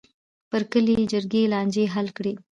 بر کلي جرګې لانجې حل کړې.